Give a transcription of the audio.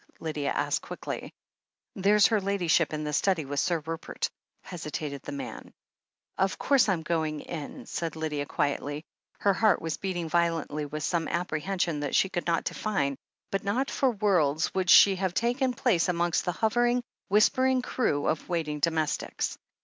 Lydia asked quickly. "There's her Ladyship in the study with Sir Rupert," hesitated the man. "Of course Fm going in," said Lydia quietly. Her heart was beating violently with some apprehension that she could not define, but not for worlds would she have taken place amongst the hovering, whispering crew of waiting domestics.